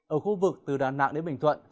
ở khu vực từ đà nẵng đến bình thuận